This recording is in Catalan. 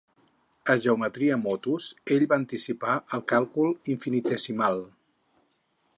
A "Geometria Motus", ell va anticipar el càlcul infinitesimal.